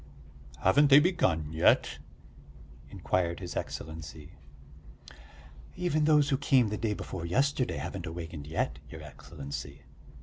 "Haven't they begun yet?" inquired his Excellency. "Even those who came the day before yesterday haven't awakened yet, your Excellency.